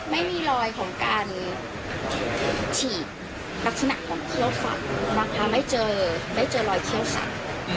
ไม่มีรอยของการฉีกลักษณะของเขี้ยวฟันนะคะไม่เจอไม่เจอรอยเขี้ยวสัตว์